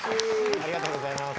ありがとうございます。